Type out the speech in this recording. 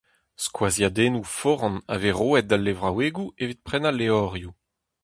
Skoaziadennoù foran a vez roet d'al levraouegoù evit prenañ levrioù.